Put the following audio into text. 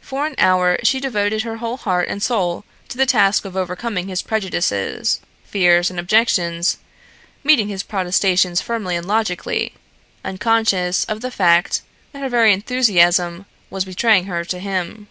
For an hour she devoted her whole heart and soul to the task of overcoming his prejudices, fears and objections, meeting his protestations firmly and logically, unconscious of the fact that her very enthusiasm was betraying her to him.